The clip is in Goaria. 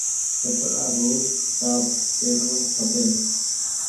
ڪپڙآ روز ساڦ پيرڻو کپي۔